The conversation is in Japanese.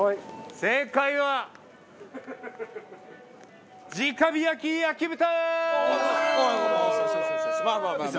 正解は直火焼焼豚！